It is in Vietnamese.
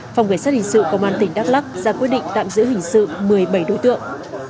phòng cảnh sát hình sự công an tỉnh đắk lắc ra quyết định tạm giữ hình sự một mươi bảy đối tượng